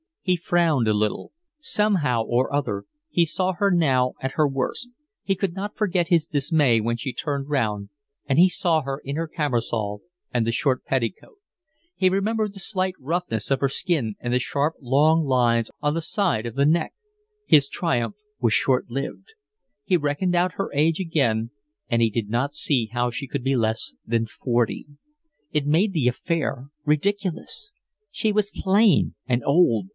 He frowned a little: somehow or other he saw her now at her worst; he could not forget his dismay when she turned round and he saw her in her camisole and the short petticoat; he remembered the slight roughness of her skin and the sharp, long lines on the side of the neck. His triumph was short lived. He reckoned out her age again, and he did not see how she could be less than forty. It made the affair ridiculous. She was plain and old.